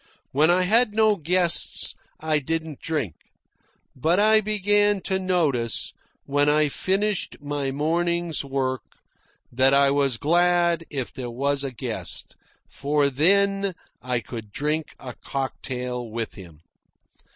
When I had no guests I didn't drink. But I began to notice, when I finished my morning's work, that I was glad if there were a guest, for then I could drink a cocktail with him.